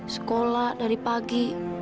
sekolah dari pagi